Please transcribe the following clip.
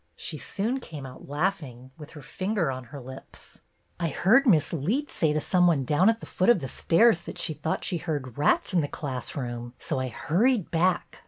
She soon came out laughing, with her finger on her lips. " I heard Miss Leet say to some one down HALLOWE'EN 123 at the foot of the stairs that she thought she heard rats in the class room, so I hurried back."